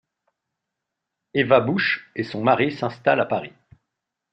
Eva Busch et son mari s’installent à Paris.